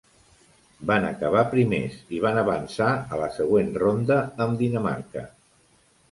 Van acabar primers i van avançar a la següent ronda amb Dinamarca.